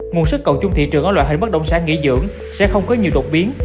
nguồn sức cầu chung thị trường ở loại hình bất động sản nghỉ dưỡng sẽ không có nhiều đột biến